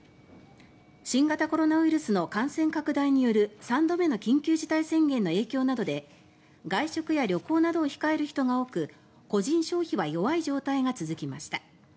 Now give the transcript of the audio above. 新型コロナウイルスの感染拡大による３度目の緊急事態宣言の影響などで外食や旅行などを控える人が多く個人消費は弱い状態が続きました。